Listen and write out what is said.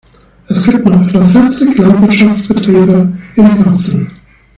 Es gibt noch etwa vierzig Landwirtschaftsbetriebe in Hirzel.